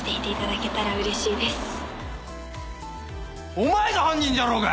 「お前が犯人じゃろうが！」